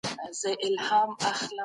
خیراتونه د بلاګانو مخه نیسي.